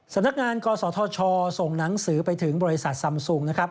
สำนักงานกศธชส่งหนังสือไปถึงบริษัทซำซุงนะครับ